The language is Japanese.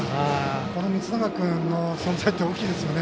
この満永君の存在って大きいですよね。